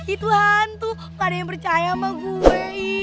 itu hantu gak ada yang percaya sama gue